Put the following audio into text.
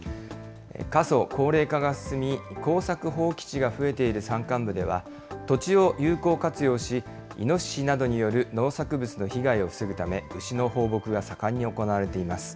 過疎、高齢化が進み、耕作放棄地が増えている山間部では、土地を有効活用し、イノシシなどによる農作物の被害を防ぐため、牛の放牧が盛んに行われています。